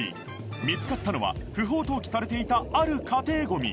見つかったのは不法投棄されていたある家庭ゴミ